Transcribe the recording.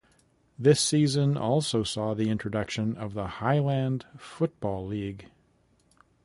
This season also saw the introduction of the Highland Football League.